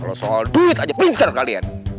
kalau soal duit aja pinter kalian